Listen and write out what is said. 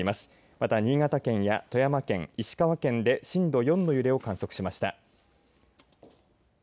また新潟県や富山県、石川県で震度４の揺れを観測しました。